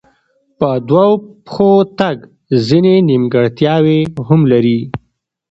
په دوو پښو تګ ځینې نیمګړتیاوې هم لري.